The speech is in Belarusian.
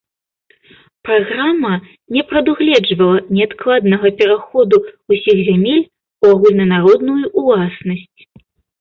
Праграма не прадугледжвала неадкладнага пераходу ўсіх зямель у агульнанародную ўласнасць.